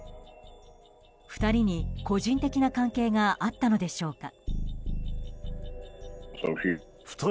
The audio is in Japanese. ２人に個人的な関係があったのでしょうか。